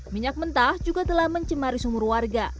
minyak mentah juga telah mencemari sumur warga